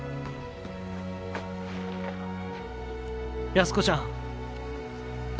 安子ちゃん。